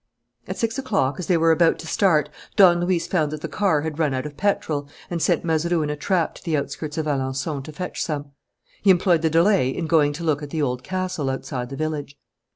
At six o'clock, as they were about to start, Don Luis found that the car had run out of petrol and sent Mazeroux in a trap to the outskirts of Alençon to fetch some. He employed the delay in going to look at the Old Castle outside the village.